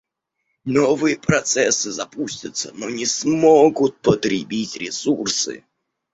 Новые процессы запустятся, но не смогут потребить ресурсы